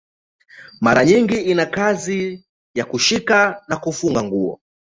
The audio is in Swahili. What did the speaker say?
Mara nyingi ina kazi ya kushika au kufunga nguo.